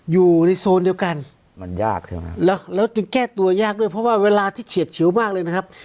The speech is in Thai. อยู่ในโซนเดียวกันมันยากใช่ไหมแล้วแล้วจึงแก้ตัวยากด้วยเพราะว่าเวลาที่เฉียดชิวมากเลยนะครับ